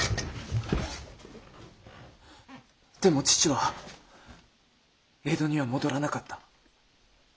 でも父は江戸には戻らなかった。